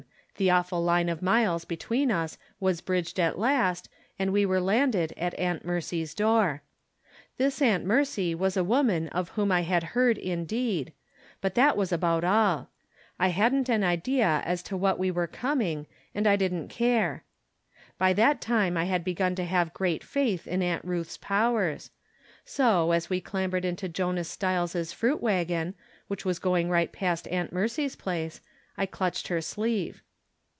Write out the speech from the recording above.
The awful line of miles be tween us was bridged at last, and we were landed at Aunt Mercy's door. Tins Aunt Mercy was a woman of whom I had heard indeed ; but that was about all. I hadn't an idea as to what Ave were coming, and I didn't care. By that time I had begun to have grsat faith in Aunt Ruth's powers ; so, as we clambered into Jonas Stiles' fruit wagon, which was going right past Aunt Mercy's place, I clutched her sleeve.